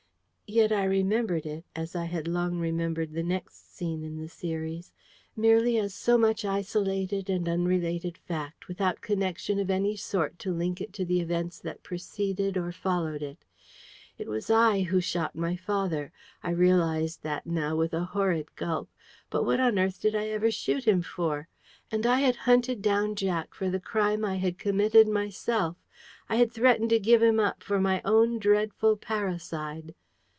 Yet I remembered it, as I had long remembered the next scene in the series, merely as so much isolated and unrelated fact, without connection of any sort to link it to the events that preceded or followed it. It was I who shot my father! I realised that now with a horrid gulp. But what on earth did I ever shoot him for? And I had hunted down Jack for the crime I had committed myself! I had threatened to give him up for my own dreadful parricide!